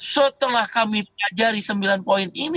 setelah kami pelajari sembilan poin ini